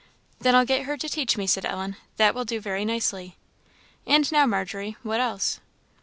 "Then I'll get her to teach me," said Ellen: "that will do very nicely. And now Margery, what else?"